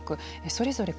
それぞれ